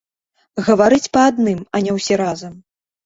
Гаварыць па адным, а не ўсе разам.